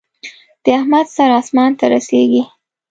د احمد سر اسمان ته رسېږي.